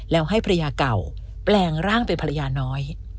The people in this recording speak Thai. แล้วให้ภรรยาเก่าแปลงร่างเป็นภรรยาน้อย